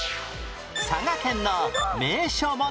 佐賀県の名所問題